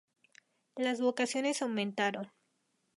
Las vocaciones aumentaron.